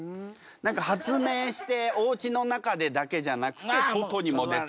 何か発明しておうちの中でだけじゃなくて外にも出て。